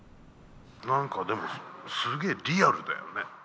何かでもすげえリアルだよね。